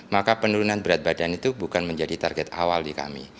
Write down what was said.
maka penurunan berat badan itu bukan menjadi target awal di kami